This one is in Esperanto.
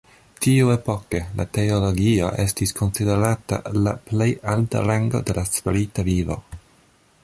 Tiuepoke, la teologio estis konsiderata la plej alta rango de la spirita vivo.